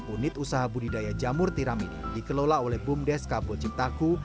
unit usaha budidaya jamur tiram ini dikelola oleh bumdes kabel ciptaku